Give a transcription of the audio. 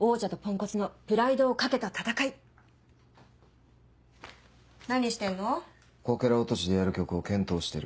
こけら落としでやる曲を検討してる。